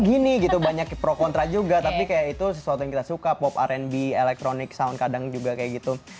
gini gitu banyak pro kontra juga tapi kayak itu sesuatu yang kita suka pop rnb electronic sound kadang juga kayak gitu